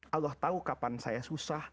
allah tahu kapan saya susah